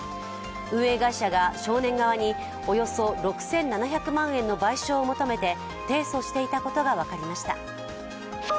運営会社が少年側におよそ６７００万円の賠償を求めて提訴していたことが分かりました。